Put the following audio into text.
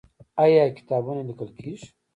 آیا کتابونه لیکل کیږي؟